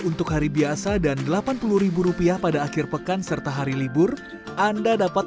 untuk hari biasa dan delapan puluh rupiah pada akhir pekan serta hari libur anda dapat